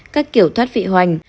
các kiểu thoát vị hoành